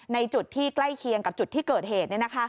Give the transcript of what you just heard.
ในจุดที่ใกล้เคียงกับจุดที่เกิดเหตุ